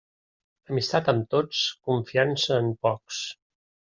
Amistat amb tots, confiança en pocs.